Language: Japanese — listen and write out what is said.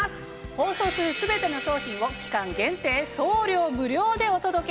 放送する全ての商品を期間限定送料無料でお届け。